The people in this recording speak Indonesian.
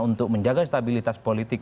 untuk menjaga stabilitas politik